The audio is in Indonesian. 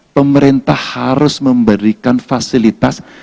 pemerintah harus memberikan fasilitas